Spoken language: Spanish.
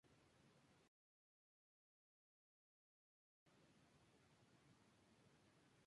Siempre han vivido la presencia de la malaria y la turba.